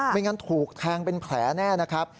ไม่งั้นถูกแทงเป็นแผลแน่นะครับ